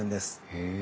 へえ。